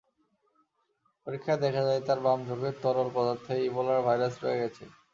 পরীক্ষায় দেখা যায়, তাঁর বাম চোখের তরল পদার্থে ইবোলার ভাইরাস রয়ে গেছে।